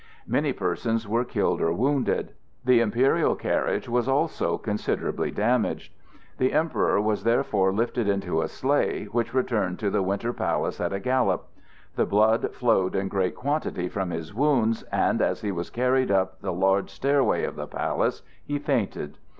Many persons were killed or wounded. The imperial carriage was also considerably damaged. The Emperor was therefore lifted into a sleigh, which returned to the Winter Palace at a gallop. The blood flowed in great quantity from his wounds, and as he was carried up the large stairway of the Palace he fainted.